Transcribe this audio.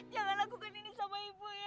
jangan lakukan ini sama ibu ya